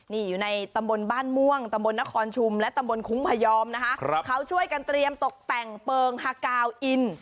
นี่อยู่ในตำบลบ้านม่วงตำบลนครชุมและตำบลคุ้งพยอมนะคะเขาช่วยกันเตรียมตกแต่งเปิงฮากาวอิน